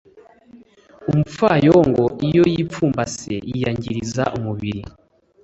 umupfayongo iyo yipfumbase yiyangiriza umubiri